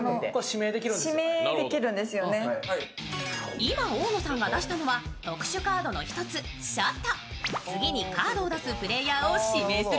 今、大野さんが出したのは特殊カードの１つ、ＳＨＯＴ。